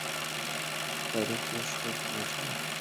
د تا ریخي پېښو د پلټني تاریخ ګورو.